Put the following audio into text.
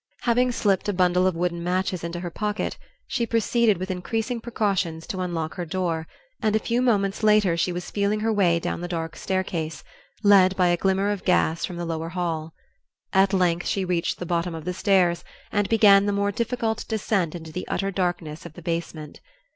Having slipped a bundle of wooden matches into her pocket she proceeded, with increasing precautions, to unlock her door, and a few moments later she was feeling her way down the dark staircase, led by a glimmer of gas from the lower hall. At length she reached the bottom of the stairs and began the more difficult descent into the utter darkness of the basement.